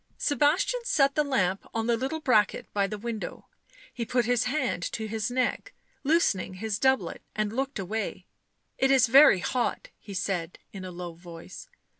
Sebastian set the lamp on the little bracket by the window ; he put his hand to his neck, loosening his doublet, and looked away. "It is very hot," he said in a low voice.